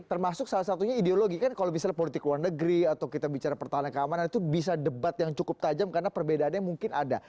termasuk salah satunya ideologi kan kalau misalnya politik luar negeri atau kita bicara pertahanan keamanan itu bisa debat yang cukup tajam karena perbedaannya mungkin ada